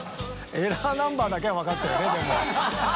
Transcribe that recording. エラーナンバーだけは分かったよねでも。